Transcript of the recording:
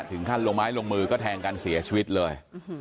ถึงขั้นลงไม้ลงมือก็แทงกันเสียชีวิตเลย